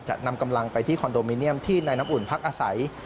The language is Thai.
จะนำกำลังไปที่คอนโดมิเนียมที่นายน้ำอุ่นพักอาศัย